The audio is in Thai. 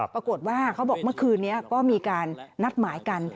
เขาบอกเมื่อคืนนี้ก็มีการนัดหมายกัน